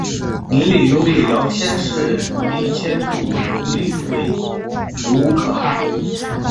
泥礼拥立遥辇氏迪辇组里为阻午可汗。